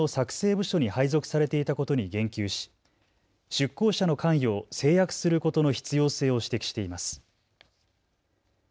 部署に配属されていたことに言及し出向者の関与を制約することの必要性を指摘しています。